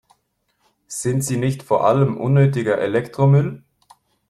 Sind sie nicht vor allem unnötiger Elektromüll?